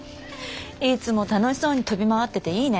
いつも楽しそうに飛び回ってていいね。